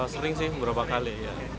sering sih beberapa kali